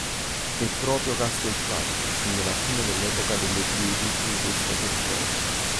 E proprio Castelfranco segna la fine dell'epoca delle Pievi in questo territorio.